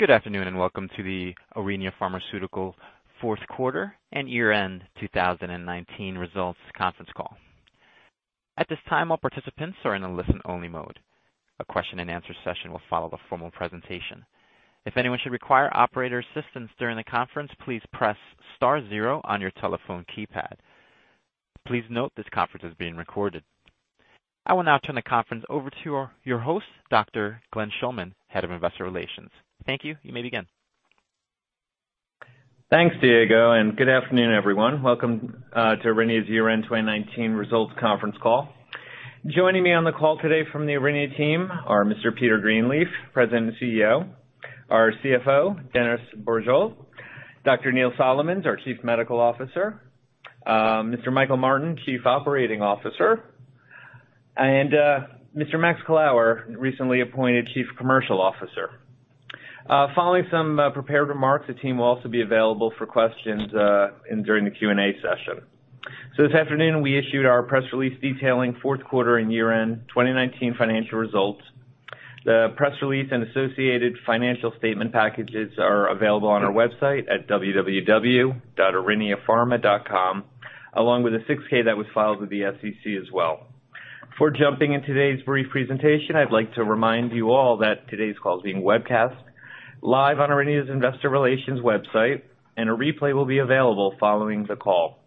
Good afternoon, welcome to the Aurinia Pharmaceuticals fourth quarter and year-end 2019 results conference call. At this time, all participants are in a listen-only mode. A question and answer session will follow the formal presentation. If anyone should require operator assistance during the conference, please press star zero on your telephone keypad. Please note this conference is being recorded. I will now turn the conference over to your host, Dr. Glenn Schulman, Head of Investor Relations. Thank you. You may begin. Thanks, Diego, and good afternoon, everyone. Welcome to Aurinia's year-end 2019 results conference call. Joining me on the call today from the Aurinia team are Mr. Peter Greenleaf, President and CEO; our CFO, Dennis Bourgeault; Dr. Neil Solomons, our Chief Medical Officer; Mr. Michael Martin, Chief Operating Officer; and Mr. Max Colao, recently appointed Chief Commercial Officer. Following some prepared remarks, the team will also be available for questions during the Q&A session. This afternoon, we issued our press release detailing fourth quarter and year-end 2019 financial results. The press release and associated financial statement packages are available on our website at www.auriniapharma.com, along with the 6-K that was filed with the SEC as well. Before jumping in today's brief presentation, I'd like to remind you all that today's call is being webcast live on Aurinia's investor relations website, and a replay will be available following the call.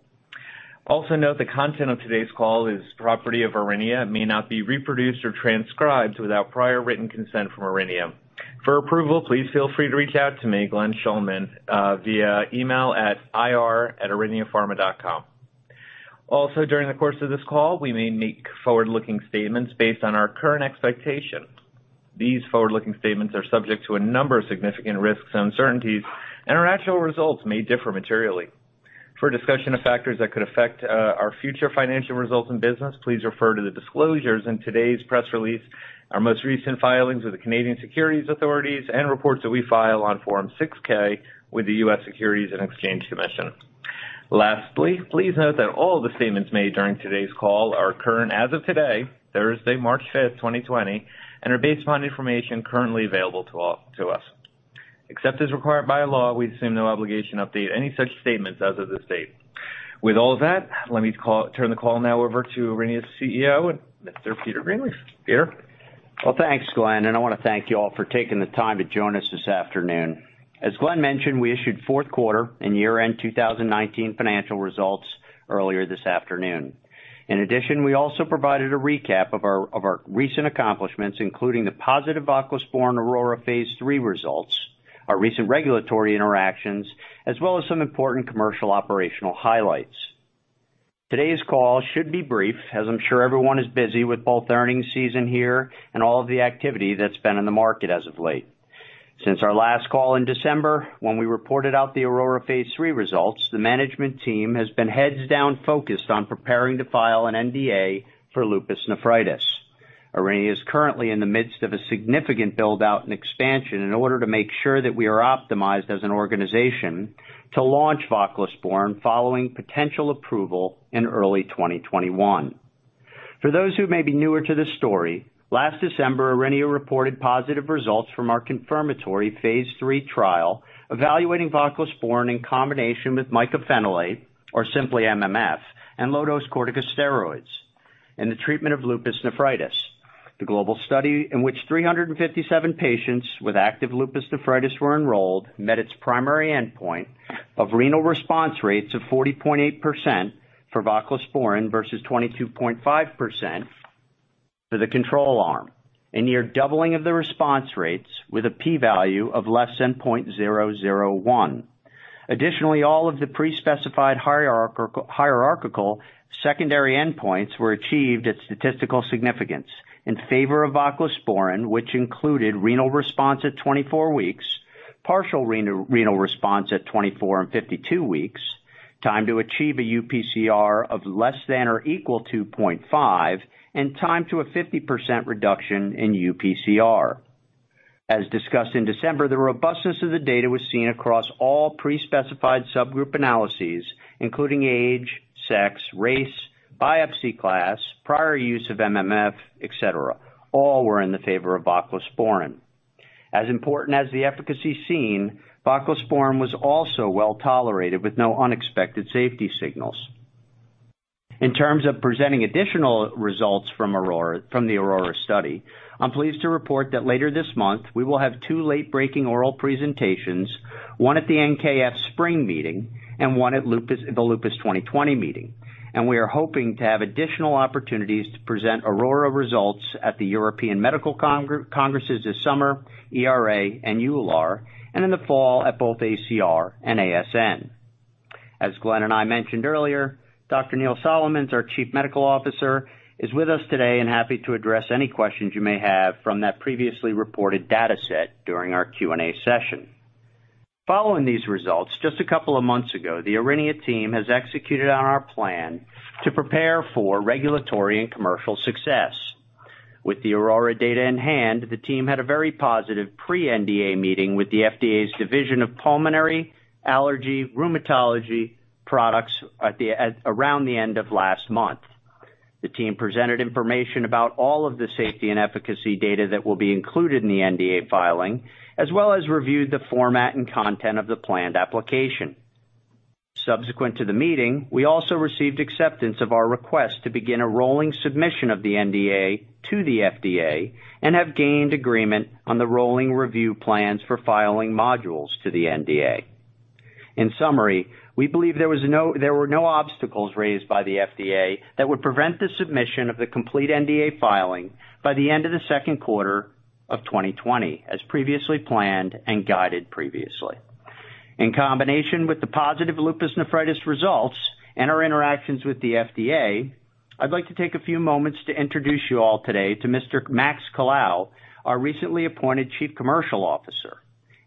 Also note the content of today's call is property of Aurinia and may not be reproduced or transcribed without prior written consent from Aurinia. For approval, please feel free to reach out to me, Glenn Schulman, via email at ir@auriniapharma.com. Also, during the course of this call, we may make forward-looking statements based on our current expectations. These forward-looking statements are subject to a number of significant risks and uncertainties, and our actual results may differ materially. For a discussion of factors that could affect our future financial results and business, please refer to the disclosures in today's press release, our most recent filings with the Canadian securities authorities, and reports that we file on Form 6-K with the U.S. Securities and Exchange Commission. Lastly, please note that all of the statements made during today's call are current as of today, Thursday, March 5th, 2020, and are based upon information currently available to us. Except as required by law, we assume no obligation to update any such statements as of this date. With all of that, let me turn the call now over to Aurinia's CEO, Mr. Peter Greenleaf. Peter? Well, thanks, Glenn. I want to thank you all for taking the time to join us this afternoon. As Glenn mentioned, we issued fourth quarter and year-end 2019 financial results earlier this afternoon. In addition, we also provided a recap of our recent accomplishments, including the positive voclosporin AURORA phase III results, our recent regulatory interactions, as well as some important commercial operational highlights. Today's call should be brief, as I'm sure everyone is busy with both earnings season here and all of the activity that's been in the market as of late. Since our last call in December, when we reported out the AURORA phase III results, the management team has been heads down focused on preparing to file an NDA for lupus nephritis. Aurinia is currently in the midst of a significant build-out and expansion in order to make sure that we are optimized as an organization to launch voclosporin following potential approval in early 2021. For those who may be newer to this story, last December, Aurinia reported positive results from our confirmatory phase III trial evaluating voclosporin in combination with mycophenolate, or simply MMF, and low-dose corticosteroids in the treatment of lupus nephritis. The global study, in which 357 patients with active lupus nephritis were enrolled, met its primary endpoint of renal response rates of 40.8% for voclosporin versus 22.5% for the control arm, a near doubling of the response rates with a P value of less than 0.001. Additionally, all of the pre-specified hierarchical secondary endpoints were achieved at statistical significance in favor of voclosporin, which included renal response at 24 weeks, partial renal response at 24 and 52 weeks, time to achieve a UPCR of less than or equal to 0.5, and time to a 50% reduction in UPCR. As discussed in December, the robustness of the data was seen across all pre-specified subgroup analyses, including age, sex, race, biopsy class, prior use of MMF, et cetera. All were in the favor of voclosporin. As important as the efficacy seen, voclosporin was also well-tolerated with no unexpected safety signals. In terms of presenting additional results from the AURORA study, I'm pleased to report that later this month, we will have two late-breaking oral presentations, one at the NKF Spring Meeting and one at the Lupus 2020 meeting. We are hoping to have additional opportunities to present AURORA results at the European Medical Congresses this summer, ERA and EULAR, and in the fall at both ACR and ASN. As Glenn and I mentioned earlier, Dr. Neil Solomons, our Chief Medical Officer, is with us today and happy to address any questions you may have from that previously reported data set during our Q&A session. Following these results, just a couple of months ago, the Aurinia team has executed on our plan to prepare for regulatory and commercial success. With the AURORA data in hand, the team had a very positive pre-NDA meeting with the FDA's Division of Pulmonary, Allergy, Rheumatology Products around the end of last month. The team presented information about all of the safety and efficacy data that will be included in the NDA filing, as well as reviewed the format and content of the planned application. Subsequent to the meeting, we also received acceptance of our request to begin a rolling submission of the NDA to the FDA and have gained agreement on the rolling review plans for filing modules to the NDA. In summary, we believe there were no obstacles raised by the FDA that would prevent the submission of the complete NDA filing by the end of the second quarter of 2020, as previously planned and guided previously. In combination with the positive lupus nephritis results and our interactions with the FDA, I'd like to take a few moments to introduce you all today to Mr. Max Colao, our recently appointed Chief Commercial Officer,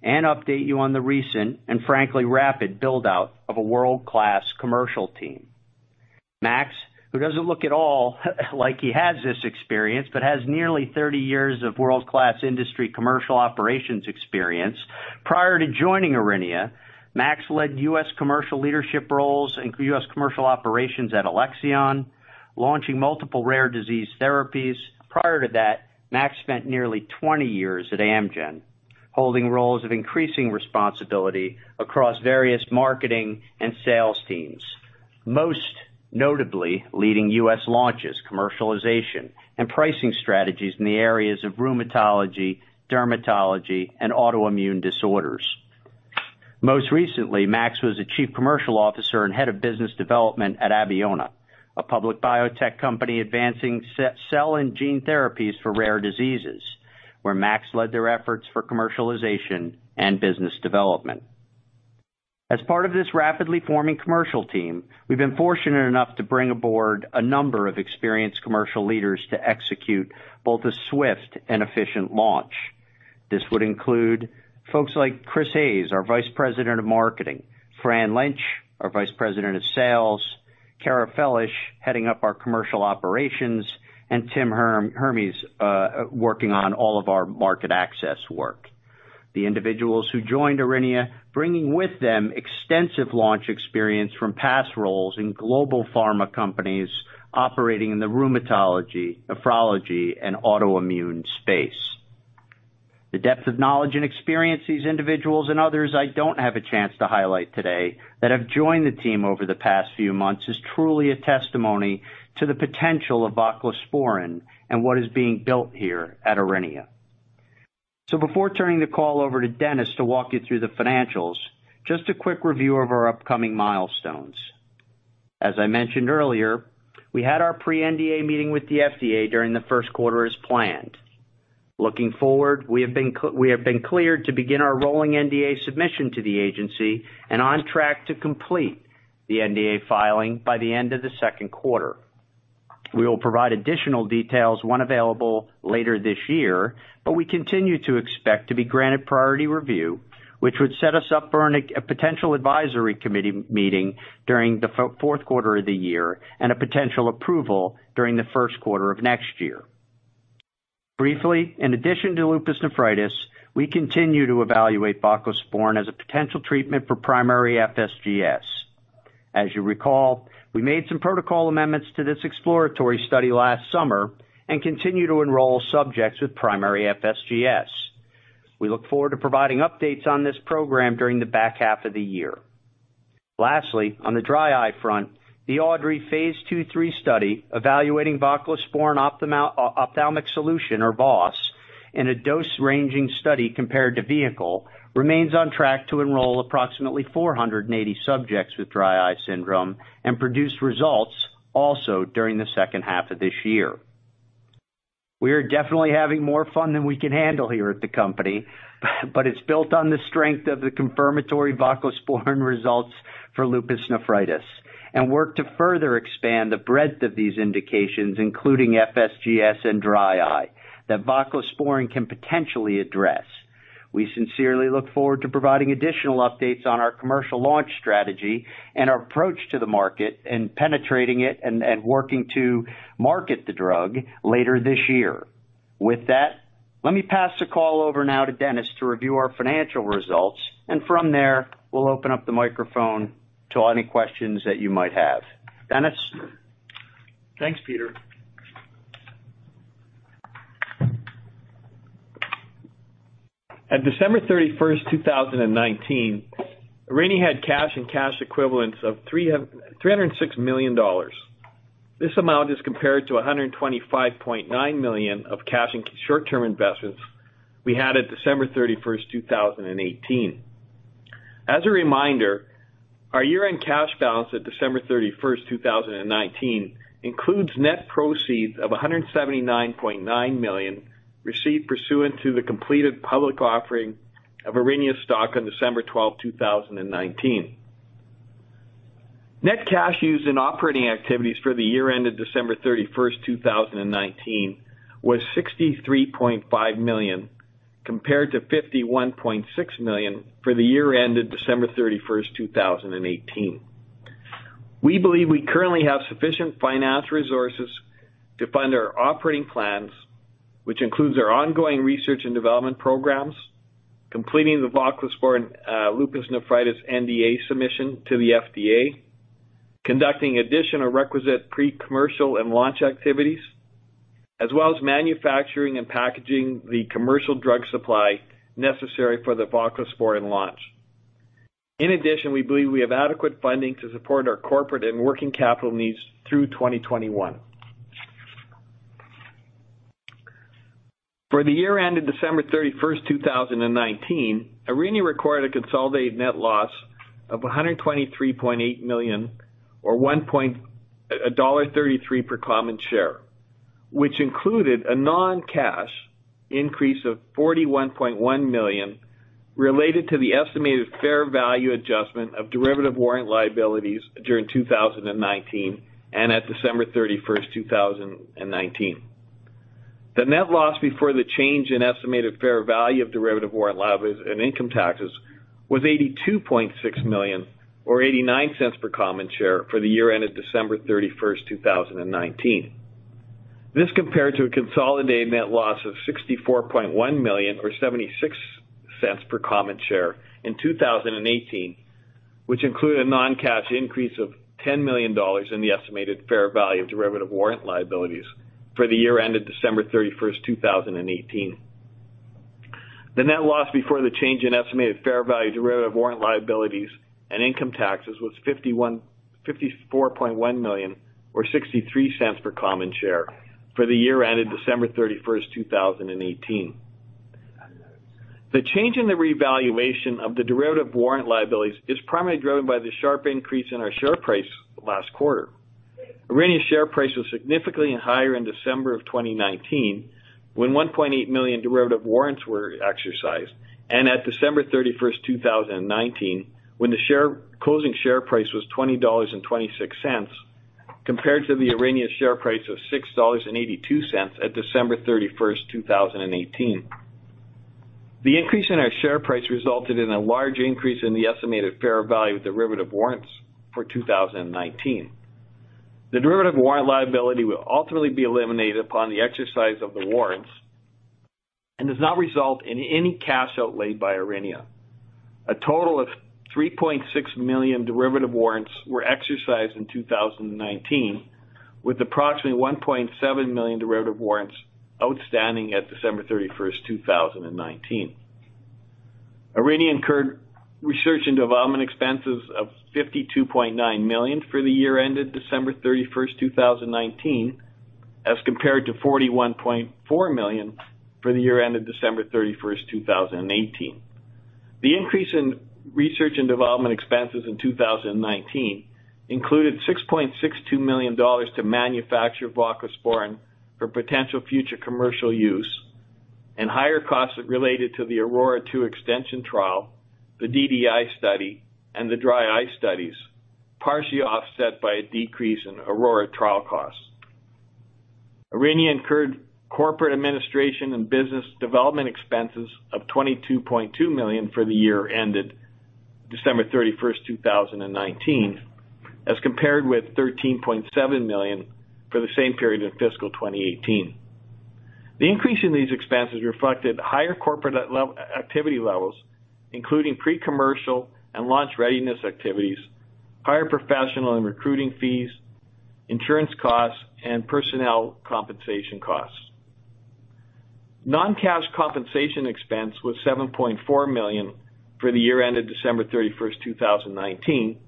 and update you on the recent, and frankly, rapid build-out of a world-class commercial team. Max, who doesn't look at all like he has this experience, but has nearly 30 years of world-class industry commercial operations experience. Prior to joining Aurinia, Max led U.S. commercial leadership roles and U.S. commercial operations at Alexion, launching multiple rare disease therapies. Prior to that, Max spent nearly 20 years at Amgen, holding roles of increasing responsibility across various marketing and sales teams. Most notably, leading U.S. launches, commercialization, and pricing strategies in the areas of rheumatology, dermatology, and autoimmune disorders. Most recently, Max was the chief commercial officer and head of business development at Abeona, a public biotech company advancing cell and gene therapies for rare diseases, where Max led their efforts for commercialization and business development. As part of this rapidly forming commercial team, we've been fortunate enough to bring aboard a number of experienced commercial leaders to execute both a swift and efficient launch. This would include folks like Chris Hays, our Vice President of Marketing, Fran Lynch, our Vice President of Sales, Cara Felish, heading up our commercial operations, and Tim Hermes working on all of our market access work. The individuals who joined Aurinia, bringing with them extensive launch experience from past roles in global pharma companies operating in the rheumatology, nephrology, and autoimmune space. The depth of knowledge and experience these individuals, and others I don't have a chance to highlight today, that have joined the team over the past few months is truly a testimony to the potential of voclosporin and what is being built here at Aurinia. Before turning the call over to Dennis to walk you through the financials, just a quick review of our upcoming milestones. As I mentioned earlier, we had our pre-NDA meeting with the FDA during the first quarter as planned. Looking forward, we have been cleared to begin our rolling NDA submission to the agency and on track to complete the NDA filing by the end of the second quarter. We will provide additional details when available later this year, but we continue to expect to be granted priority review, which would set us up for a potential advisory committee meeting during the fourth quarter of the year and a potential approval during the first quarter of next year. Briefly, in addition to lupus nephritis, we continue to evaluate voclosporin as a potential treatment for primary FSGS. As you recall, we made some protocol amendments to this exploratory study last summer and continue to enroll subjects with primary FSGS. We look forward to providing updates on this program during the back half of the year. Lastly, on the dry eye front, the AUDREY phase II/III study evaluating voclosporin ophthalmic solution or VOS, in a dose-ranging study compared to vehicle, remains on track to enroll approximately 480 subjects with dry eye syndrome and produce results also during the second half of this year. It's built on the strength of the confirmatory voclosporin results for lupus nephritis and work to further expand the breadth of these indications, including FSGS and dry eye, that voclosporin can potentially address. We sincerely look forward to providing additional updates on our commercial launch strategy and our approach to the market and penetrating it and working to market the drug later this year. With that, let me pass the call over now to Dennis to review our financial results, and from there, we'll open up the microphone to any questions that you might have. Dennis? Thanks, Peter. At December 31st, 2019, Aurinia had cash and cash equivalents of $306 million. This amount is compared to $125.9 million of cash and short-term investments we had at December 31st, 2018. As a reminder, our year-end cash balance at December 31st, 2019 includes net proceeds of $179.9 million received pursuant to the completed public offering of Aurinia stock on December 12th, 2019. Net cash used in operating activities for the year ended December 31st, 2019 was $63.5 million, compared to $51.6 million for the year ended December 31st, 2018. We believe we currently have sufficient finance resources to fund our operating plans, which includes our ongoing research and development programs, completing the voclosporin lupus nephritis NDA submission to the FDA, conducting additional requisite pre-commercial and launch activities, as well as manufacturing and packaging the commercial drug supply necessary for the voclosporin launch. We believe we have adequate funding to support our corporate and working capital needs through 2021. For the year ended December 31st, 2019, Aurinia recorded a consolidated net loss of $123.8 million or $1.33 per common share, which included a non-cash increase of $41.1 million related to the estimated fair value adjustment of derivative warrant liabilities during 2019 and at December 31st, 2019. The net loss before the change in estimated fair value of derivative warrant liabilities and income taxes was $82.6 million or $0.89 per common share for the year ended December 31st, 2019. This compared to a consolidated net loss of $64.1 million or $0.76 per common share in 2018, which included a non-cash increase of $10 million in the estimated fair value of derivative warrant liabilities for the year ended December 31st, 2018. The net loss before the change in estimated fair value derivative warrant liabilities and income taxes was $54.1 million or $0.63 per common share for the year ended December 31st, 2018. The change in the revaluation of the derivative warrant liabilities is primarily driven by the sharp increase in our share price last quarter. Aurinia's share price was significantly higher in December of 2019 when 1.8 million derivative warrants were exercised, and at December 31st, 2019, when the closing share price was $20.26, compared to the Aurinia share price of $6.82 at December 31st, 2018. The increase in our share price resulted in a large increase in the estimated fair value of derivative warrants for 2019. The derivative warrant liability will ultimately be eliminated upon the exercise of the warrants and does not result in any cash outlay by Aurinia. A total of 3.6 million derivative warrants were exercised in 2019, with approximately 1.7 million derivative warrants outstanding at December 31st, 2019. Aurinia incurred research and development expenses of $52.9 million for the year ended December 31st, 2019, as compared to $41.4 million for the year ended December 31st, 2018. The increase in research and development expenses in 2019 included $6.62 million to manufacture voclosporin for potential future commercial use and higher costs related to the AURORA 2 extension trial, the DDI study, and the dry eye studies, partially offset by a decrease in AURORA trial costs. Aurinia incurred corporate administration and business development expenses of $22.2 million for the year ended December 31st, 2019, as compared with $13.7 million for the same period in fiscal 2018. The increase in these expenses reflected higher corporate activity levels, including pre-commercial and launch readiness activities, higher professional and recruiting fees, insurance costs, and personnel compensation costs. Non-cash compensation expense was $7.4 million for the year ended December 31st, 2019,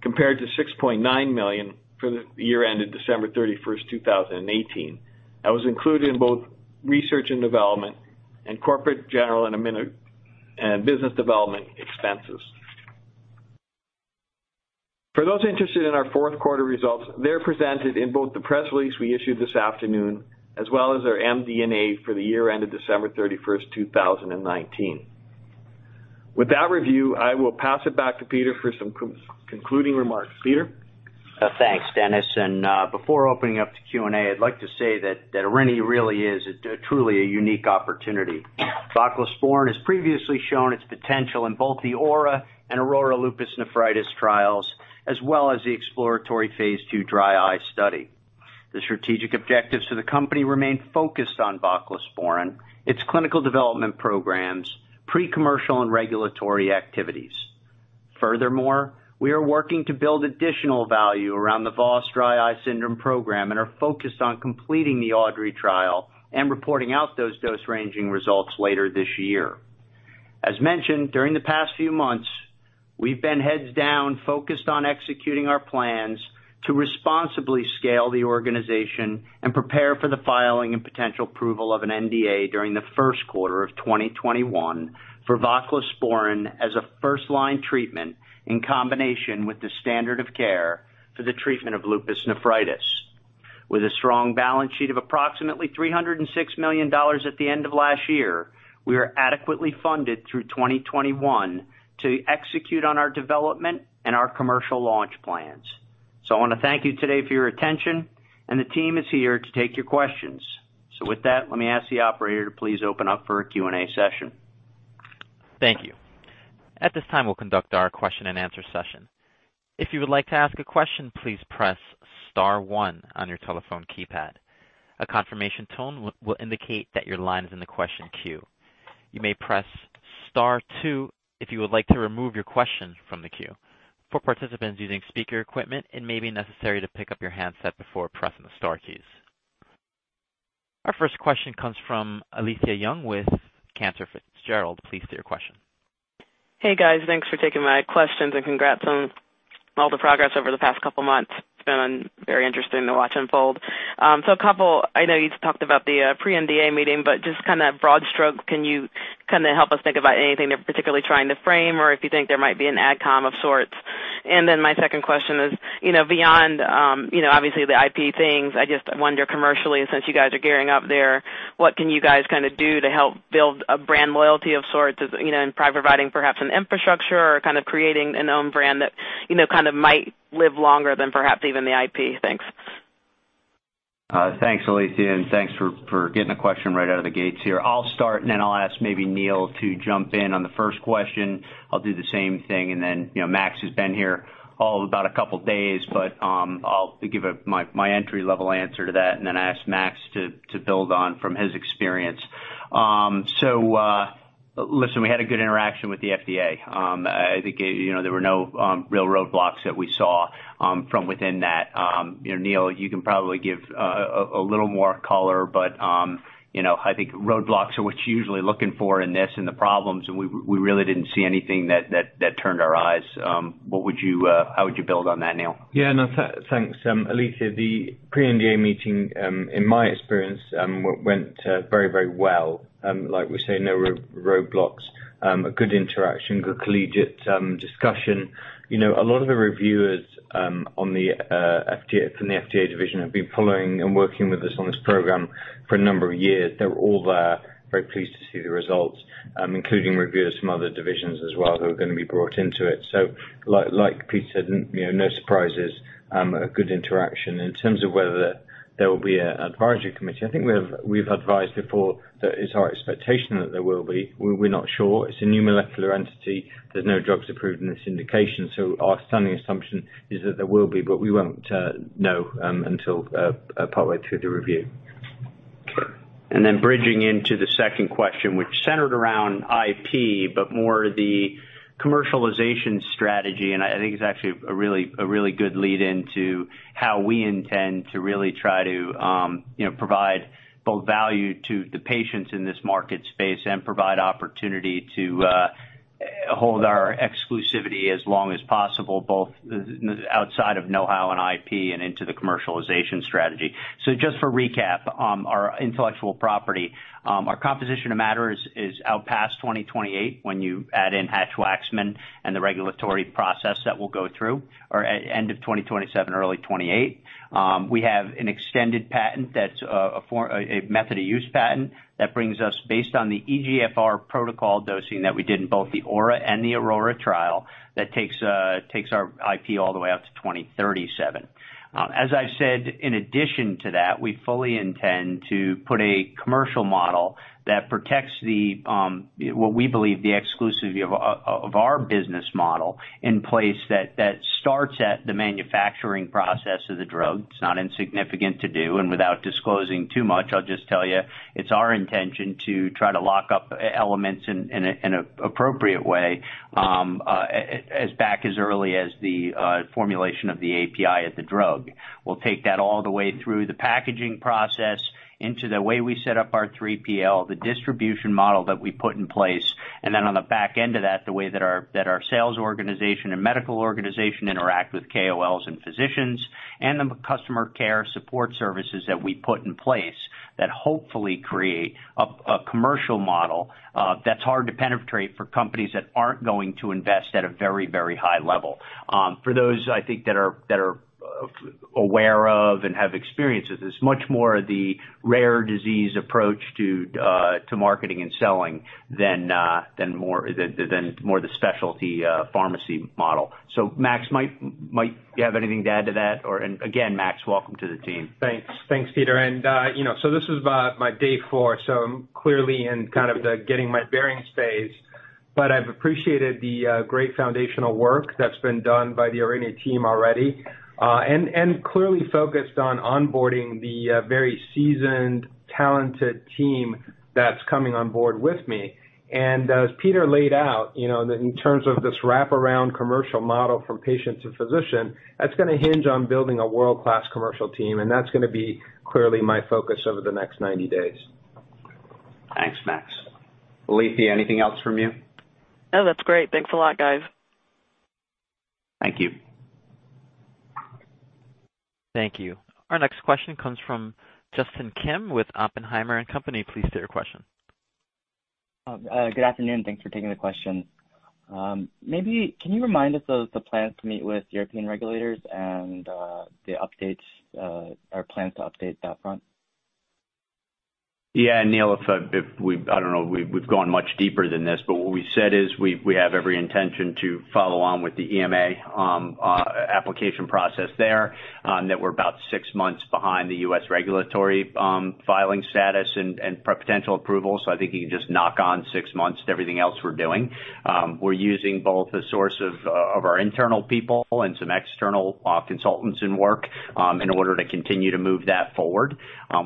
compared to $6.9 million for the year ended December 31st, 2018. That was included in both research and development and corporate general and business development expenses. For those interested in our fourth quarter results, they're presented in both the press release we issued this afternoon as well as our MD&A for the year ended December 31st, 2019. With that review, I will pass it back to Peter for some concluding remarks. Peter? Thanks, Dennis. Before opening up to Q&A, I'd like to say that Aurinia really is truly a unique opportunity. Voclosporin has previously shown its potential in both the AURA and AURORA lupus nephritis trials, as well as the exploratory phase II dry eye study. The strategic objectives for the company remain focused on voclosporin, its clinical development programs, pre-commercial and regulatory activities. Furthermore, we are working to build additional value around the VOS dry eye syndrome program and are focused on completing the AUDREY trial and reporting out those dose-ranging results later this year. As mentioned, during the past few months, we've been heads down focused on executing our plans to responsibly scale the organization and prepare for the filing and potential approval of an NDA during the first quarter of 2021 for voclosporin as a first-line treatment in combination with the standard of care for the treatment of lupus nephritis. With a strong balance sheet of approximately $306 million at the end of last year, we are adequately funded through 2021 to execute on our development and our commercial launch plans. I want to thank you today for your attention, and the team is here to take your questions. With that, let me ask the operator to please open up for a Q&A session. Thank you At this time, we will conduct our question and answer session. If you would like to ask a question, please press star one on your telephone keypad. A confirmation tone will indicate that your line is in the question queue. You may press star two if you would like to remove your question from the queue. For participants using speaker equipment, it may be necessary to pick up your handset before pressing the star keys. Our first question comes from Alethia Young with Cantor Fitzgerald. Please state your question. Hey, guys. Thanks for taking my questions. Congrats on all the progress over the past couple of months. It's been very interesting to watch unfold. A couple I know you talked about the pre-NDA meeting. Just broad stroke, can you help us think about anything they're particularly trying to frame or if you think there might be an ad com of sorts? My second question is, beyond obviously the IP things, I just wonder commercially, since you guys are gearing up there, what can you guys do to help build a brand loyalty of sorts in providing perhaps an infrastructure or creating an own brand that might live longer than perhaps even the IP? Thanks. Thanks, Alethia, and thanks for getting a question right out of the gates here. I'll start, and then I'll ask maybe Neil to jump in on the first question. I'll do the same thing, and then Max has been here about a couple of days, but I'll give my entry-level answer to that, and then I ask Max to build on from his experience. Listen, we had a good interaction with the FDA. I think there were no real roadblocks that we saw from within that. Neil, you can probably give a little more color, but I think roadblocks are what you're usually looking for in this and the problems, and we really didn't see anything that turned our eyes. How would you build on that, Neil? Yeah. Thanks, Alethia. The pre-NDA meeting, in my experience, went very well. Like we say, no roadblocks, a good interaction, good collegiate discussion. A lot of the reviewers from the FDA division have been following and working with us on this program for a number of years. They were all there, very pleased to see the results, including reviewers from other divisions as well who are going to be brought into it. Like Peter said, no surprises, a good interaction. In terms of whether there will be an advisory committee, I think we've advised before that it's our expectation that there will be. We're not sure. It's a new molecular entity. There's no drugs approved in this indication, so our standing assumption is that there will be, but we won't know until partway through the review. Bridging into the second question, which centered around IP, but more the commercialization strategy, I think it's actually a really good lead into how we intend to really try to provide both value to the patients in this market space and provide opportunity to hold our exclusivity as long as possible, both outside of know-how and IP and into the commercialization strategy. Just for recap, our intellectual property, our composition to matter is out past 2028 when you add in Hatch-Waxman and the regulatory process that we'll go through, or end of 2027, early 2028. We have an extended patent that's a method of use patent that brings us based on the eGFR protocol dosing that we did in both the AURA and the AURORA trial. That takes our IP all the way out to 2037. As I've said, in addition to that, we fully intend to put a commercial model that protects what we believe the exclusivity of our business model in place that starts at the manufacturing process of the drug. It's not insignificant to do. Without disclosing too much, I'll just tell you, it's our intention to try to lock up elements in an appropriate way as back as early as the formulation of the API of the drug. We'll take that all the way through the packaging process into the way we set up our 3PL, the distribution model that we put in place, and then on the back end of that, the way that our sales organization and medical organization interact with KOLs and physicians and the customer care support services that we put in place that hopefully create a commercial model that's hard to penetrate for companies that aren't going to invest at a very high level. For those, I think that are aware of and have experience with this, much more of the rare disease approach to marketing and selling than more the specialty pharmacy model. Max, might you have anything to add to that? Again, Max, welcome to the team. Thanks, Peter. This is about my day four, so I'm clearly in the getting my bearings phase, but I've appreciated the great foundational work that's been done by the Aurinia team already, and clearly focused on onboarding the very seasoned, talented team that's coming on board with me. As Peter laid out, in terms of this wraparound commercial model from patient to physician, that's going to hinge on building a world-class commercial team, and that's going to be clearly my focus over the next 90 days. Thanks, Max. Alethia, anything else from you? No, that's great. Thanks a lot, guys. Thank you. Thank you. Our next question comes from Justin Kim with Oppenheimer & Co. Please state your question. Good afternoon. Thanks for taking the question. Maybe can you remind us of the plans to meet with European regulators and the plans to update that front? Neil, I don't know if we've gone much deeper than this, but what we said is we have every intention to follow on with the EMA application process there, that we're about six months behind the U.S. regulatory filing status and potential approval. I think you can just knock on six months to everything else we're doing. We're using both a source of our internal people and some external consultants in work in order to continue to move that forward.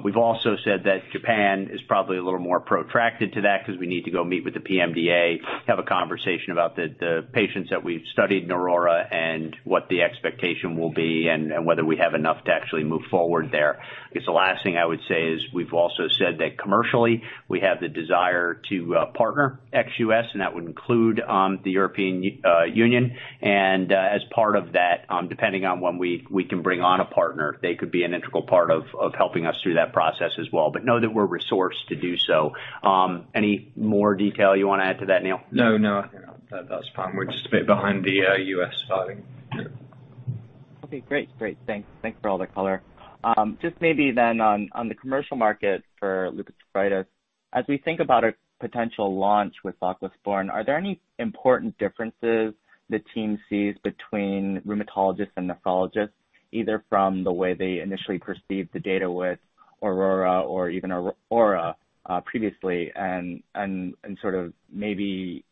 We've also said that Japan is probably a little more protracted to that because we need to go meet with the PMDA, have a conversation about the patients that we've studied in AURORA and what the expectation will be and whether we have enough to actually move forward there. I guess the last thing I would say is we've also said that commercially, we have the desire to partner ex-U.S., and that would include the European Union. As part of that, depending on when we can bring on a partner, they could be an integral part of helping us through that process as well, but know that we're resourced to do so. Any more detail you want to add to that, Neil? No, I think that's fine. We're just a bit behind the U.S. filing. Okay, great. Thanks for all the color. Just maybe then on the commercial market for lupus nephritis. As we think about a potential launch with voclosporin, are there any important differences the team sees between rheumatologists and nephrologists, either from the way they initially perceive the data with AURORA or even AURA previously and sort of maybe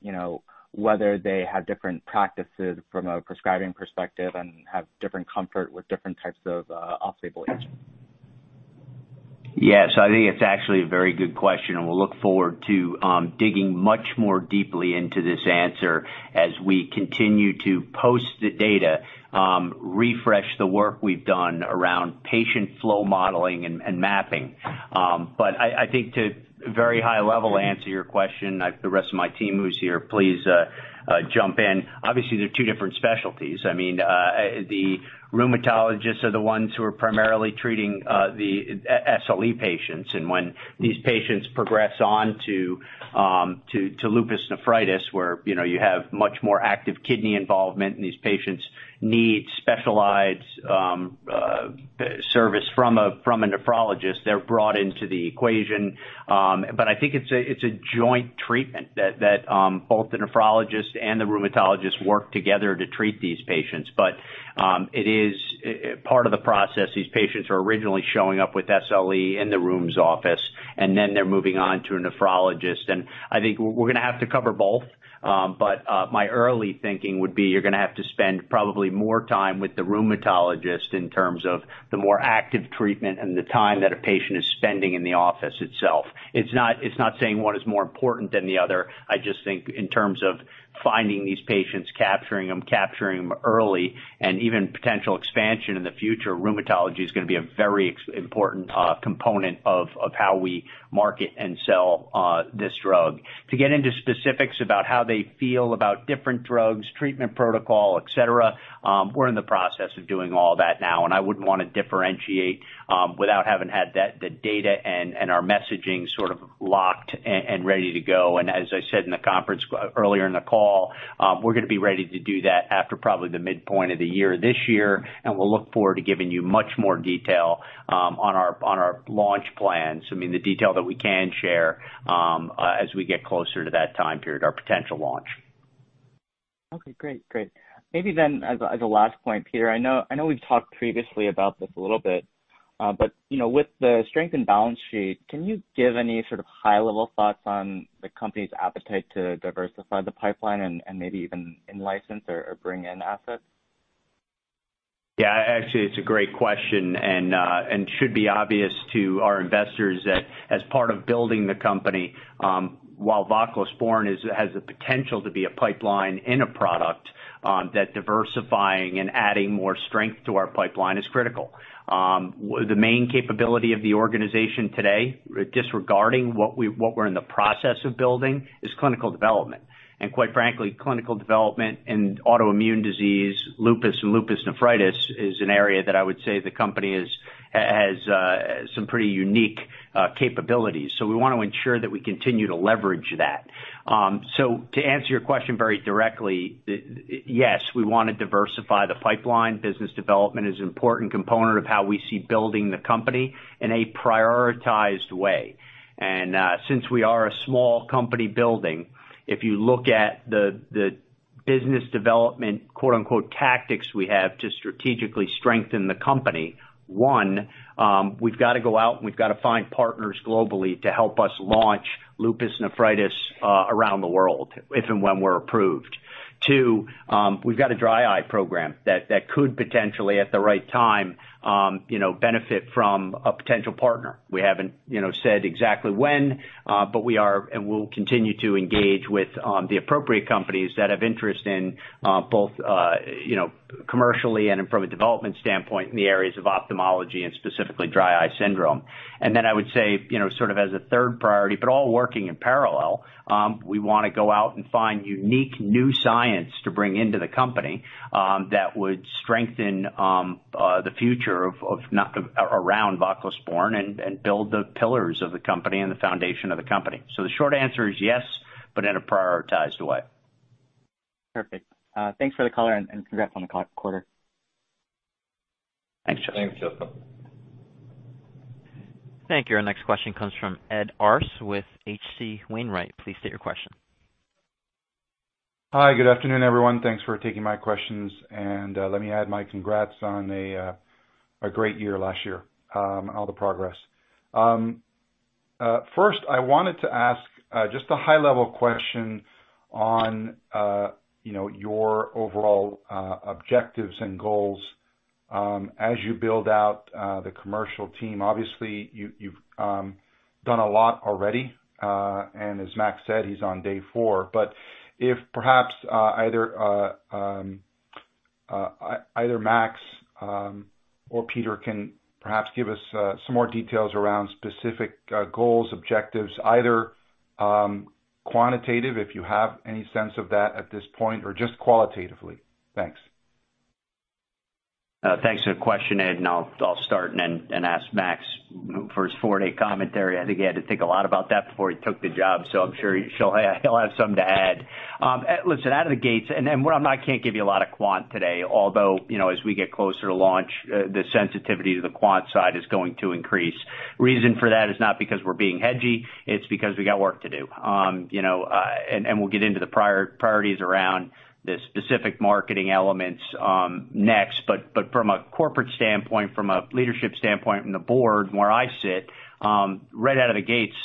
whether they have different practices from a prescribing perspective and have different comfort with different types of off-label agents? I think it's actually a very good question. We'll look forward to digging much more deeply into this answer as we continue to post the data, refresh the work we've done around patient flow modeling and mapping. I think to very high-level answer your question, the rest of my team who's here, please jump in. Obviously, they're two different specialties. I mean, the rheumatologists are the ones who are primarily treating the SLE patients. When these patients progress on to lupus nephritis, where you have much more active kidney involvement and these patients need specialized service from a nephrologist, they're brought into the equation. I think it's a joint treatment that both the nephrologist and the rheumatologist work together to treat these patients. It is part of the process. These patients are originally showing up with SLE in the rheum's office, and then they're moving on to a nephrologist. I think we're going to have to cover both. My early thinking would be you're going to have to spend probably more time with the rheumatologist in terms of the more active treatment and the time that a patient is spending in the office itself. It's not saying one is more important than the other. I just think in terms of finding these patients, capturing them early, and even potential expansion in the future, rheumatology is going to be a very important component of how we market and sell this drug. To get into specifics about how they feel about different drugs, treatment protocol, et cetera, we're in the process of doing all that now. I wouldn't want to differentiate without having had the data and our messaging sort of locked and ready to go. As I said earlier in the call, we're going to be ready to do that after probably the midpoint of the year this year. We'll look forward to giving you much more detail on our launch plans, I mean, the detail that we can share as we get closer to that time period, our potential launch. Okay, great. Maybe then as a last point, Peter, I know we've talked previously about this a little bit. With the strength and balance sheet, can you give any sort of high-level thoughts on the company's appetite to diversify the pipeline and maybe even in-license or bring in assets? Yeah, actually, it's a great question and should be obvious to our investors that as part of building the company, while voclosporin has the potential to be a pipeline in a product, that diversifying and adding more strength to our pipeline is critical. The main capability of the organization today, disregarding what we're in the process of building, is clinical development. Quite frankly, clinical development in autoimmune disease, lupus and lupus nephritis is an area that I would say the company has some pretty unique capabilities. We want to ensure that we continue to leverage that. To answer your question very directly, yes, we want to diversify the pipeline. Business development is an important component of how we see building the company in a prioritized way. Since we are a small company building, if you look at the business development, quote-unquote, tactics we have to strategically strengthen the company. One, we've got to go out and we've got to find partners globally to help us launch lupus nephritis around the world, if and when we're approved. Two, we've got a dry eye program that could potentially, at the right time, benefit from a potential partner. We haven't said exactly when, but we are and will continue to engage with the appropriate companies that have interest in both commercially and from a development standpoint in the areas of ophthalmology and specifically dry eye syndrome. Then I would say, sort of as a third priority, but all working in parallel, we want to go out and find unique new science to bring into the company that would strengthen the future around voclosporin and build the pillars of the company and the foundation of the company. The short answer is yes, but in a prioritized way. Perfect. Thanks for the color and congrats on the quarter. Thanks, Justin. Thank you. Our next question comes from Arthur He with H.C. Wainwright. Please state your question. Hi. Good afternoon, everyone. Thanks for taking my questions, and let me add my congrats on a great year last year and all the progress. First, I wanted to ask just a high-level question on your overall objectives and goals as you build out the commercial team. Obviously, you've done a lot already. As Max said, he's on day four. If perhaps either Max or Peter can perhaps give us some more details around specific goals, objectives, either quantitative, if you have any sense of that at this point, or just qualitatively. Thanks. Thanks for the question, Ed. I'll start and then ask Max for his four-day commentary. I think he had to think a lot about that before he took the job, so I'm sure he'll have some to add. Listen, out of the gates, can't give you a lot of quant today, although, as we get closer to launch, the sensitivity to the quant side is going to increase. Reason for that is not because we're being hedgy. It's because we got work to do. We'll get into the priorities around the specific marketing elements next. From a corporate standpoint, from a leadership standpoint in the board, where I sit, right out of the gates,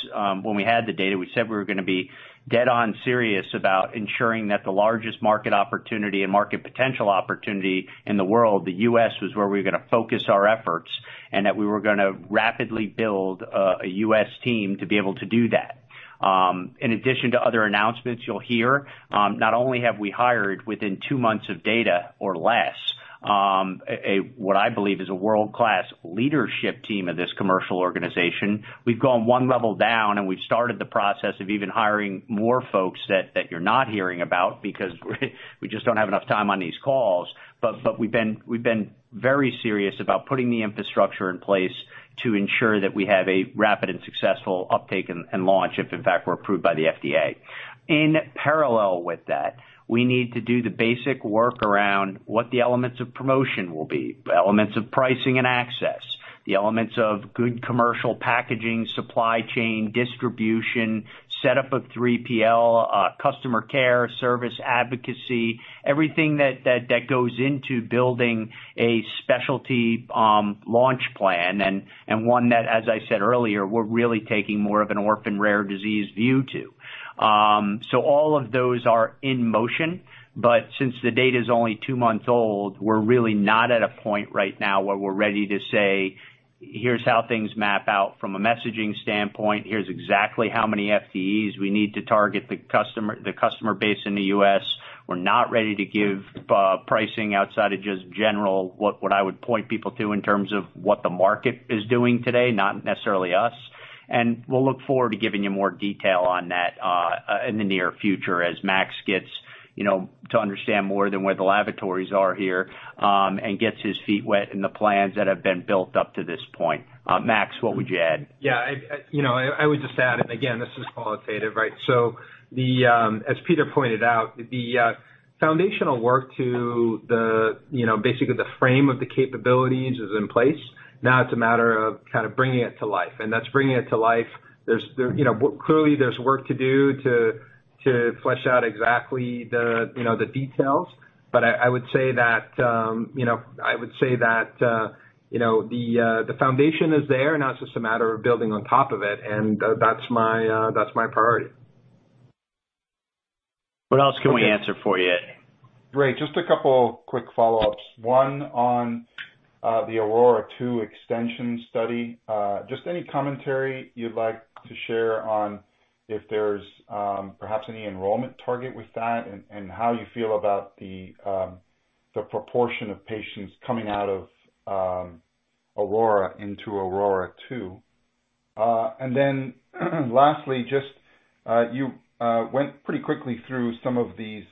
when we had the data, we said we were going to be dead-on serious about ensuring that the largest market opportunity and market potential opportunity in the world, the U.S., was where we were going to focus our efforts, and that we were going to rapidly build a U.S. team to be able to do that. In addition to other announcements you'll hear, not only have we hired within two months of data or less, what I believe is a world-class leadership team of this commercial organization. We've gone 1 level down, and we've started the process of even hiring more folks that you're not hearing about because we just don't have enough time on these calls. We've been very serious about putting the infrastructure in place to ensure that we have a rapid and successful uptake and launch if, in fact, we're approved by the FDA. In parallel with that, we need to do the basic work around what the elements of promotion will be. Elements of pricing and access, the elements of good commercial packaging, supply chain, distribution, setup of 3PL, customer care, service advocacy, everything that goes into building a specialty launch plan and one that, as I said earlier, we're really taking more of an orphan rare disease view to. All of those are in motion, but since the data's only two months old, we're really not at a point right now where we're ready to say, "Here's how things map out from a messaging standpoint. Here's exactly how many FDEs we need to target the customer base in the U.S. We're not ready to give pricing outside of just general, what I would point people to in terms of what the market is doing today, not necessarily us. We'll look forward to giving you more detail on that in the near future as Max gets to understand more than where the lavatories are here and gets his feet wet in the plans that have been built up to this point. Max, what would you add? Yeah. I would just add, again, this is qualitative, right? As Peter pointed out, the foundational work to basically the frame of the capabilities is in place. Now it's a matter of bringing it to life. That's bringing it to life. Clearly, there's work to do to flesh out exactly the details. I would say that the foundation is there. Now it's just a matter of building on top of it, that's my priority. What else can we answer for you? Great. Just a couple quick follow-ups. One on the AURORA-2 extension study. Just any commentary you'd like to share on if there's perhaps any enrollment target with that, and how you feel about the proportion of patients coming out of AURORA into AURORA-2. Lastly, you went pretty quickly through some of these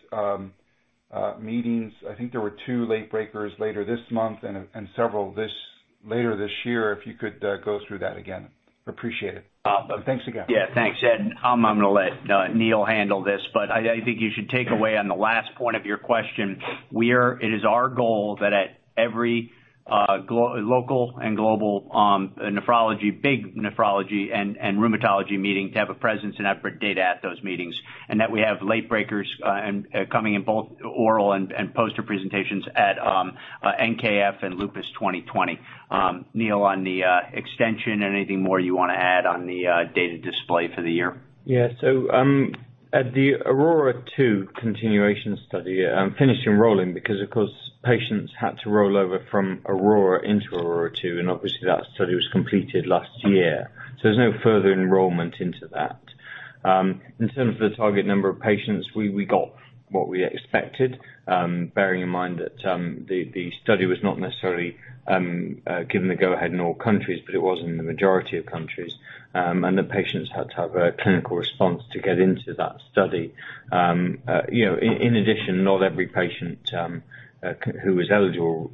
meetings. I think there were two late breakers later this month and several later this year, if you could go through that again. Appreciate it. Thanks again. Yeah. Thanks, He. I'm going to let Neil handle this, but I think you should take away on the last point of your question. It is our goal that at every local and global nephrology, big nephrology, and rheumatology meeting to have a presence and have our data at those meetings, and that we have late breakers coming in both oral and poster presentations at NKF and Lupus 2020. Neil, on the extension, anything more you want to add on the data display for the year? At the AURORA 2 continuation study, finished enrolling because, of course, patients had to roll over from AURORA into AURORA 2. Obviously that study was completed last year. There's no further enrollment into that. In terms of the target number of patients, we got what we expected, bearing in mind that the study was not necessarily given the go ahead in all countries, but it was in the majority of countries. The patients had to have a clinical response to get into that study. In addition, not every patient who was eligible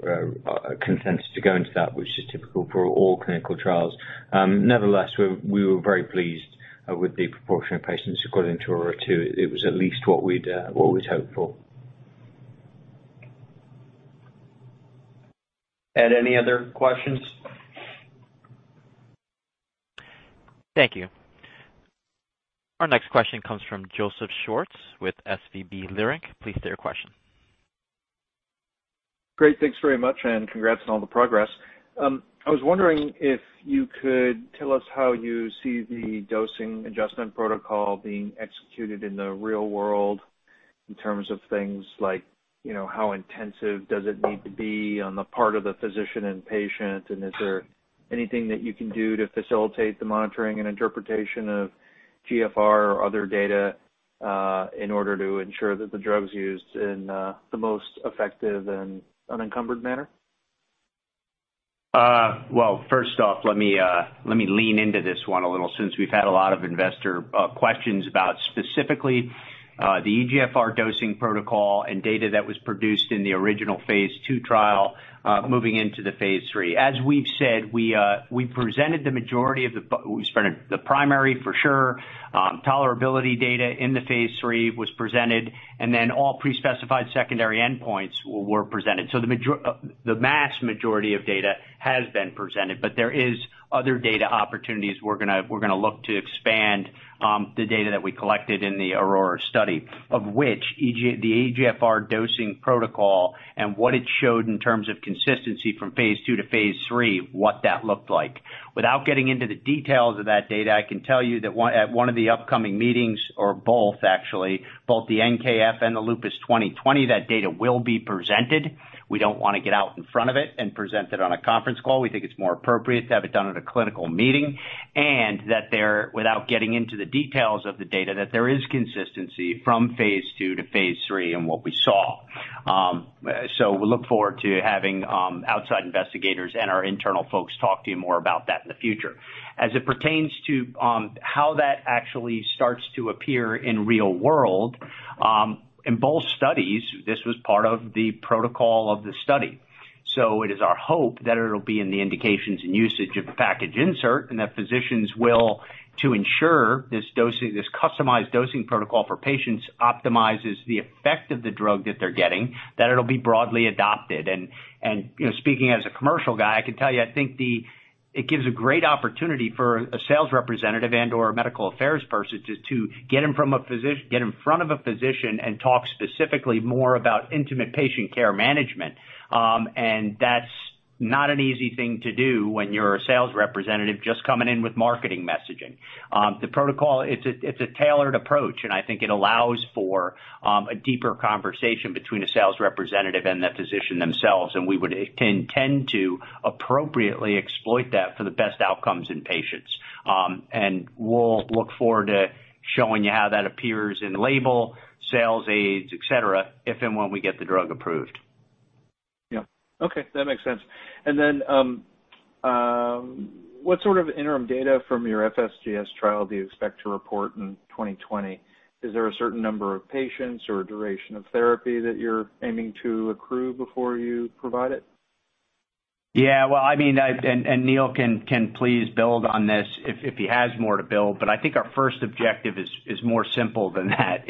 consents to go into that, which is typical for all clinical trials. Nevertheless, we were very pleased with the proportion of patients according to AURORA 2. It was at least what we'd hoped for. Ed, any other questions? Thank you. Our next question comes from Joseph Schwartz with SVB Leerink. Please state your question. Great. Thanks very much, and congrats on all the progress. I was wondering if you could tell us how you see the dosing adjustment protocol being executed in the real world in terms of things like how intensive does it need to be on the part of the physician and patient, and is there anything that you can do to facilitate the monitoring and interpretation of GFR or other data, in order to ensure that the drug's used in the most effective and unencumbered manner? Well, first off, let me lean into this one a little, since we've had a lot of investor questions about specifically, the eGFR dosing protocol and data that was produced in the original phase II trial, moving into the phase III. As we've said, we presented the majority of the primary for sure. Tolerability data in the phase III was presented, and then all pre-specified secondary endpoints were presented. The vast majority of data has been presented, but there is other data opportunities we're going to look to expand the data that we collected in the AURORA study, of which the eGFR dosing protocol and what it showed in terms of consistency from phase II to phase III, what that looked like. Without getting into the details of that data, I can tell you that at one of the upcoming meetings, or both actually, both the NKF and the Lupus 2020, that data will be presented. We don't want to get out in front of it and present it on a conference call. We think it's more appropriate to have it done at a clinical meeting, and that there, without getting into the details of the data, that there is consistency from phase II to phase III in what we saw. We look forward to having outside investigators and our internal folks talk to you more about that in the future. As it pertains to how that actually starts to appear in real world. In both studies, this was part of the protocol of the study. It is our hope that it'll be in the indications and usage of the package insert and that physicians will, to ensure this customized dosing protocol for patients optimizes the effect of the drug that they're getting, that it'll be broadly adopted. Speaking as a commercial guy, I can tell you, I think it gives a great opportunity for a sales representative and/or a medical affairs person to get in front of a physician and talk specifically more about intimate patient care management. That's not an easy thing to do when you're a sales representative just coming in with marketing messaging. The protocol, it's a tailored approach, and I think it allows for a deeper conversation between a sales representative and the physician themselves. We would intend to appropriately exploit that for the best outcomes in patients. We'll look forward to showing you how that appears in label, sales aids, et cetera, if and when we get the drug approved. Yep. Okay. That makes sense. What sort of interim data from your FSGS trial do you expect to report in 2020? Is there a certain number of patients or duration of therapy that you're aiming to accrue before you provide it? Well, Neil can please build on this if he has more to build, but I think our first objective is more simple than that.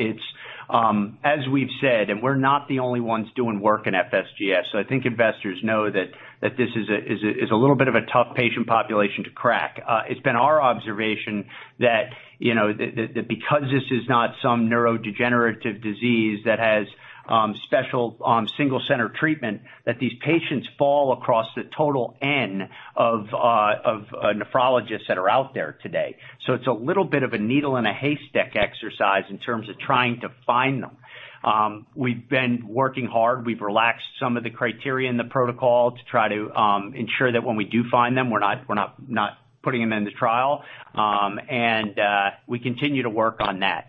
As we've said, we're not the only ones doing work in FSGS, I think investors know that this is a little bit of a tough patient population to crack. It's been our observation that because this is not some neurodegenerative disease that has special single center treatment, that these patients fall across the total N of nephrologists that are out there today. It's a little bit of a needle in a haystack exercise in terms of trying to find them. We've been working hard. We've relaxed some of the criteria in the protocol to try to ensure that when we do find them, we're not putting them in the trial. We continue to work on that.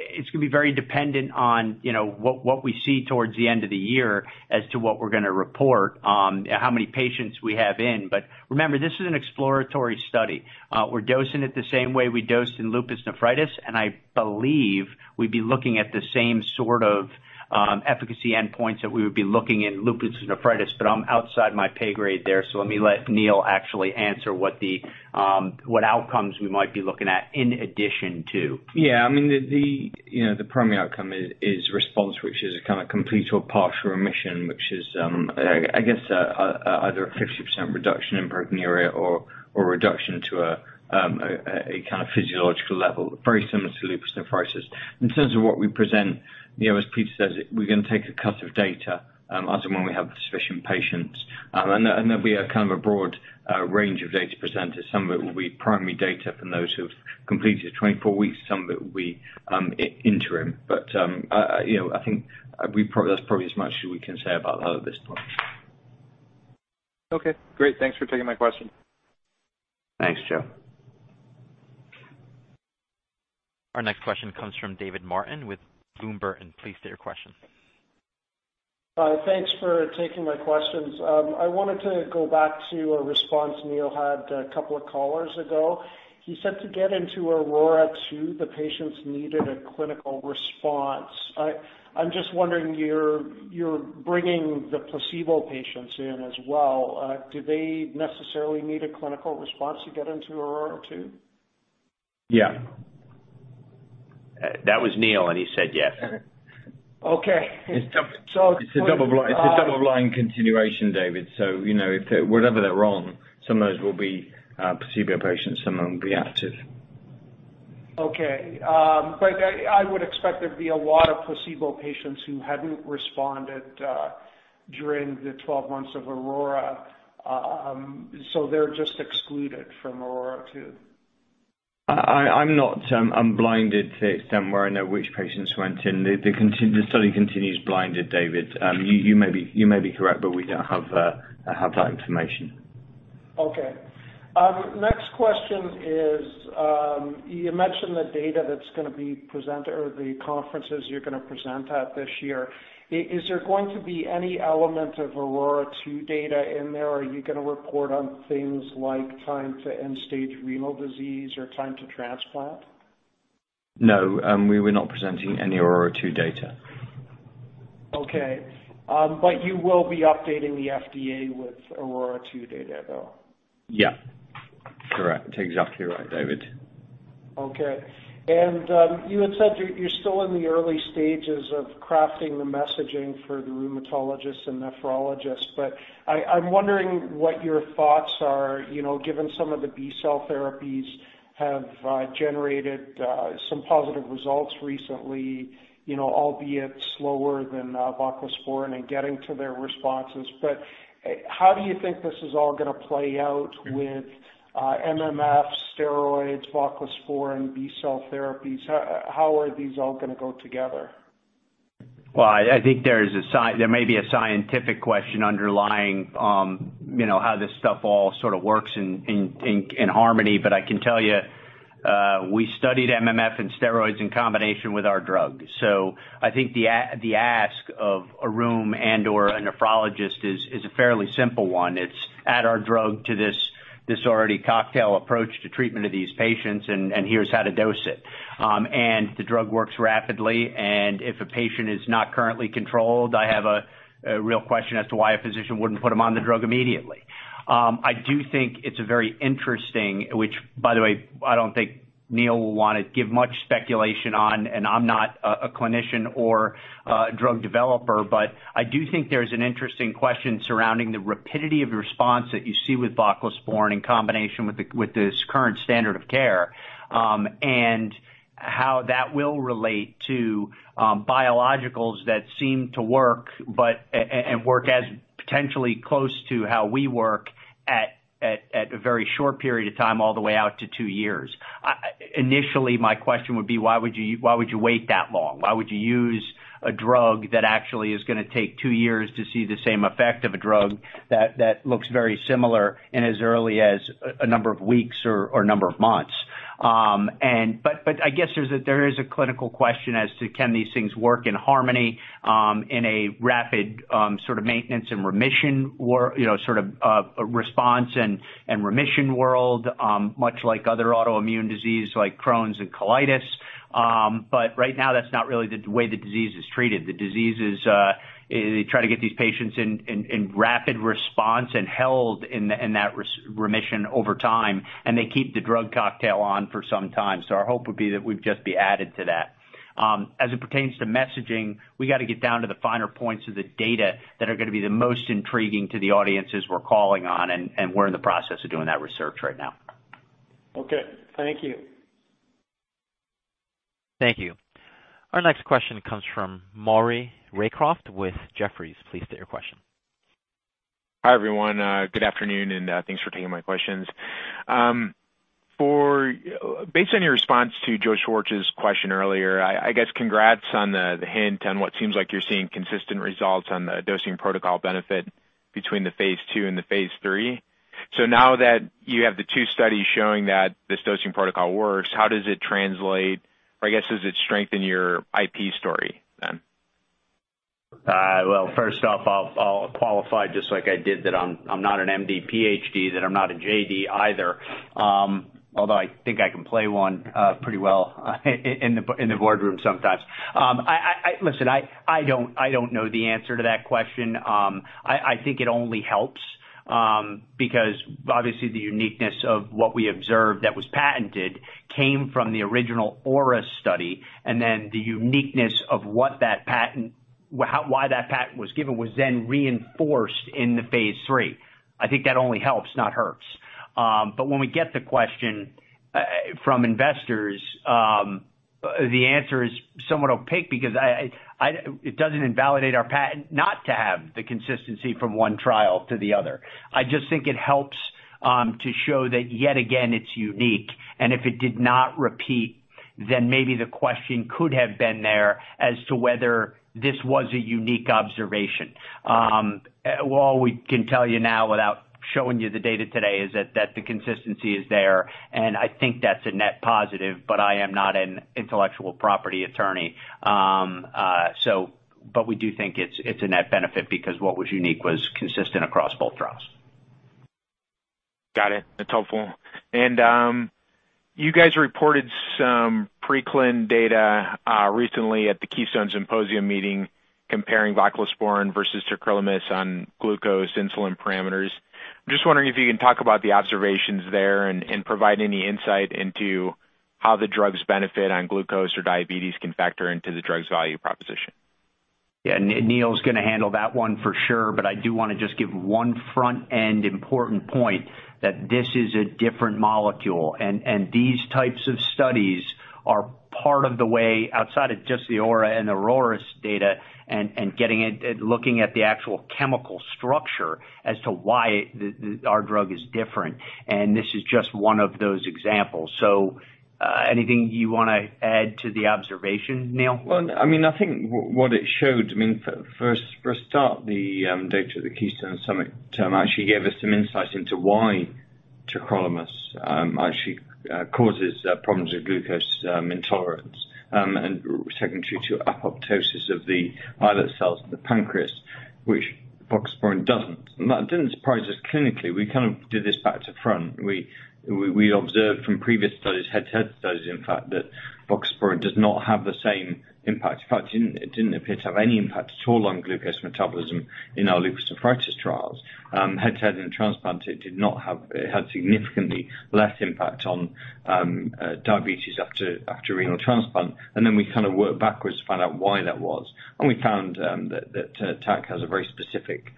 It's going to be very dependent on what we see towards the end of the year as to what we're going to report on how many patients we have in. Remember, this is an exploratory study. We're dosing it the same way we dosed in lupus nephritis, and I believe we'd be looking at the same sort of efficacy endpoints that we would be looking at in lupus nephritis, but I'm outside my pay grade there. Let me let Neil actually answer what outcomes we might be looking at in addition to. Yeah. The primary outcome is response, which is a kind of complete or partial remission, which is, I guess, either a 50% reduction in proteinuria or reduction to a kind of physiological level. Very similar to lupus nephritis. In terms of what we present, as Peter says, we're going to take a cut of data as and when we have sufficient patients. There'll be a broad range of data presented. Some of it will be primary data from those who've completed it 24 weeks, some of it will be interim. I think that's probably as much as we can say about that at this point. Okay, great. Thanks for taking my question. Thanks, Joe. Our next question comes from David Martin with Bloomberg. Please state your question. Thanks for taking my questions. I wanted to go back to a response Neil had a couple of callers ago. He said to get into AURORA the patients needed a clinical response. I'm just wondering, you're bringing the placebo patients in as well. Do they necessarily need a clinical response to get into AURORA 2? Yeah. That was Neil, and he said yes. Okay. It's a double-blind continuation, David. Whatever they're on, some of those will be placebo patients, some of them will be active. Okay. I would expect there'd be a lot of placebo patients who hadn't responded during the 12 months of AURORA, so they're just excluded from AURORA 2. I'm blinded to it, somewhere. I know which patients went in. The study continues blinded, David. You may be correct, but we don't have that information. Okay. Next question is, you mentioned the data that's going to be presented or the conferences you're going to present at this year. Is there going to be any element of AURORA 2 data in there? Are you going to report on things like time to end stage renal disease or time to transplant? No, we were not presenting any AURORA-2 data. Okay. You will be updating the FDA with AURORA 2 data, though? Yeah. Correct. Exactly right, David. Okay. You had said you're still in the early stages of crafting the messaging for the rheumatologists and nephrologists, but I'm wondering what your thoughts are, given some of the B-cell therapies have generated some positive results recently, albeit slower than voclosporin in getting to their responses. How do you think this is all going to play out with MMF, steroids, voclosporin, B-cell therapies? How are these all going to go together? Well, I think there may be a scientific question underlying how this stuff all sort of works in harmony. I can tell you, we studied MMF and steroids in combination with our drug. I think the ask of a rheum and/or a nephrologist is a fairly simple one. It's add our drug to this already cocktail approach to treatment of these patients, and here's how to dose it. The drug works rapidly, and if a patient is not currently controlled, I have a real question as to why a physician wouldn't put them on the drug immediately. I do think it's a very interesting, which by the way, I don't think Neil will want to give much speculation on, and I'm not a clinician or a drug developer, but I do think there's an interesting question surrounding the rapidity of response that you see with voclosporin in combination with this current standard of care. How that will relate to biologicals that seem to work and work as potentially close to how we work at a very short period of time, all the way out to 2 years. Initially, my question would be, why would you wait that long? Why would you use a drug that actually is going to take 2 years to see the same effect of a drug that looks very similar in as early as a number of weeks or a number of months? I guess there is a clinical question as to can these things work in harmony in a rapid sort of maintenance and remission, sort of response and remission world, much like other autoimmune disease like Crohn's and colitis. Right now, that's not really the way the disease is treated. The disease is, they try to get these patients in rapid response and held in that remission over time, and they keep the drug cocktail on for some time. Our hope would be that we'd just be added to that. As it pertains to messaging, we got to get down to the finer points of the data that are going to be the most intriguing to the audiences we're calling on, and we're in the process of doing that research right now. Okay. Thank you. Thank you. Our next question comes from Maurice Raycroft with Jefferies. Please state your question. Hi, everyone. Good afternoon, and thanks for taking my questions. Based on your response to Joe Schwartz's question earlier, I guess congrats on the hint what seems like you're seeing consistent results on the dosing protocol benefit between the phase II and the phase III. Now that you have the two studies showing that this dosing protocol works, how does it translate, or I guess does it strengthen your IP story then? First off, I'll qualify just like I did that I'm not an MD PhD, that I'm not a JD either. Although I think I can play one pretty well in the boardroom sometimes. Listen, I don't know the answer to that question. I think it only helps. Obviously the uniqueness of what we observed that was patented came from the original AURORA study, and then the uniqueness of why that patent was given was then reinforced in the phase III. I think that only helps, not hurts. When we get the question from investors, the answer is somewhat opaque because it doesn't invalidate our patent not to have the consistency from one trial to the other. I just think it helps to show that yet again, it's unique. If it did not repeat, then maybe the question could have been there as to whether this was a unique observation. All we can tell you now without showing you the data today is that the consistency is there, and I think that's a net positive. I am not an intellectual property attorney. We do think it's a net benefit because what was unique was consistent across both trials. Got it. That's helpful. You guys reported some pre-clin data recently at the Keystone Symposium meeting comparing voclosporin versus tacrolimus on glucose insulin parameters. I'm just wondering if you can talk about the observations there and provide any insight into how the drug's benefit on glucose or diabetes can factor into the drug's value proposition. Neil's going to handle that one for sure. I do want to just give one front-end important point, that this is a different molecule. These types of studies are part of the way, outside of just the AURA and AURORAs data and getting it, looking at the actual chemical structure as to why our drug is different. This is just one of those examples. Anything you want to add to the observation, Neil? I think what it showed, for a start, the data at the Keystone Symposia actually gave us some insight into why tacrolimus actually causes problems with glucose intolerance, secondary to apoptosis of the islet cells of the pancreas, which voclosporin doesn't. That didn't surprise us clinically. We kind of did this back to front. We observed from previous studies, head-to-head studies, in fact, that voclosporin does not have the same impact. In fact, it didn't appear to have any impact at all on glucose metabolism in our lupus nephritis trials. Head-to-head in transplant, it had significantly less impact on diabetes after renal transplant. We kind of worked backwards to find out why that was. We found that tac has a very specific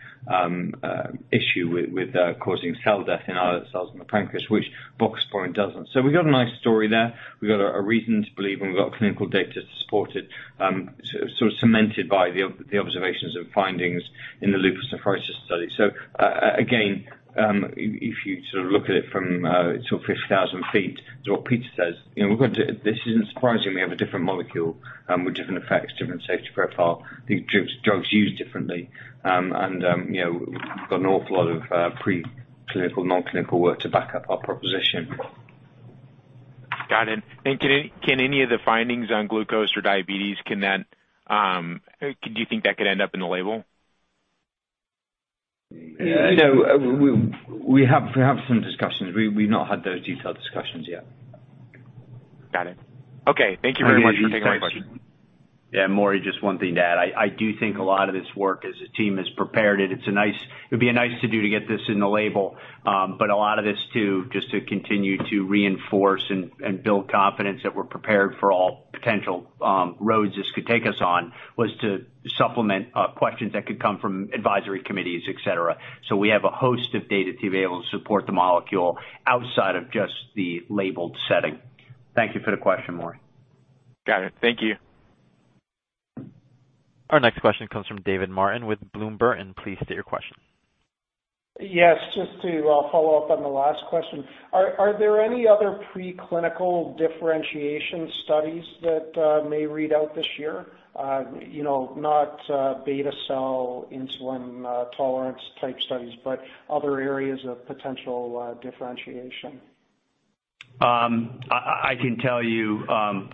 issue with causing cell death in islet cells in the pancreas, which voclosporin doesn't. We've got a nice story there. We've got a reason to believe, and we've got clinical data to support it, sort of cemented by the observations and findings in the lupus nephritis study. Again, if you sort of look at it from 50,000 feet, it's what Peter says. This isn't surprising. We have a different molecule with different effects, different safety profile. I think drug's used differently. We've got an awful lot of pre-clinical, non-clinical work to back up our proposition. Got it. Can any of the findings on glucose or diabetes, do you think that could end up in the label? No. We have some discussions. We've not had those detailed discussions yet. Got it. Okay. Thank you very much for taking my question. Yeah, Maury, just one thing to add. I do think a lot of this work, as the team has prepared it would be a nice to do to get this in the label. A lot of this too, just to continue to reinforce and build confidence that we're prepared for all potential roads this could take us on, was to supplement questions that could come from advisory committees, et cetera. We have a host of data to be able to support the molecule outside of just the labeled setting. Thank you for the question, Maury. Got it. Thank you. Our next question comes from David Martin with Bloomberg. Please state your question. Yes, just to follow up on the last question. Are there any other pre-clinical differentiation studies that may read out this year? Not beta cell insulin tolerance type studies, but other areas of potential differentiation. I can tell you,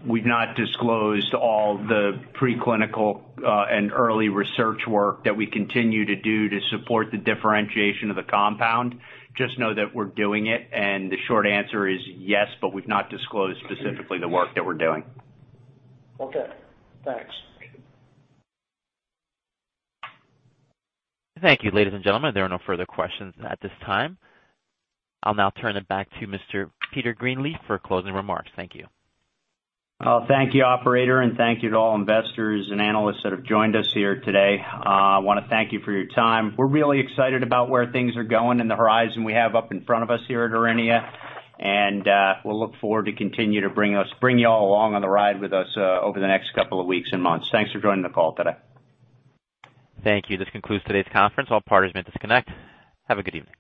we've not disclosed all the pre-clinical and early research work that we continue to do to support the differentiation of the compound. Just know that we're doing it, and the short answer is yes, but we've not disclosed specifically the work that we're doing. Okay, thanks. Thank you. Ladies and gentlemen, there are no further questions at this time. I'll now turn it back to Mr. Peter Greenleaf for closing remarks. Thank you. Thank you, operator, and thank you to all investors and analysts that have joined us here today. I want to thank you for your time. We're really excited about where things are going and the horizon we have up in front of us here at Aurinia, and we'll look forward to continue to bring you all along on the ride with us over the next couple of weeks and months. Thanks for joining the call today. Thank you. This concludes today's conference. All parties may disconnect. Have a good evening.